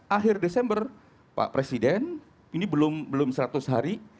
akhir desember pak presiden ini belum seratus hari